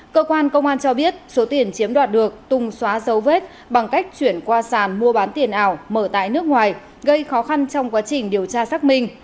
cơ quan công an cho biết số tiền chiếm đoạt được tùng xóa dấu vết bằng cách chuyển qua sàn mua bán tiền ảo mở tại nước ngoài gây khó khăn trong quá trình điều tra xác minh